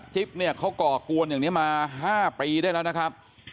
เนี่ยเขาก่อกวนอย่างนี้มา๕ปีได้แล้วนะครับ